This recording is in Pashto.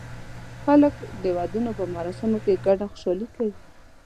خلک د ودونو په مراسمو کې ګډه خوشالي کوي.